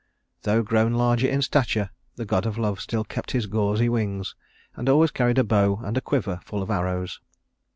Though grown larger in stature, the god of love still kept his gauzy wings, and always carried a bow and a quiver full of arrows.